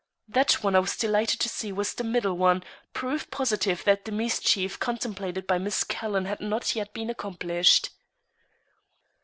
That one I was delighted to see was the middle one, proof positive that the mischief contemplated by Miss Calhoun had not yet been accomplished.